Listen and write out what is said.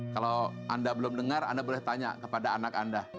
kalau anda belum dengar anda boleh tanya kepada anak anda